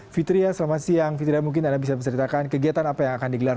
fitria selamat siang fitria mungkin anda bisa menceritakan kegiatan apa yang akan digelar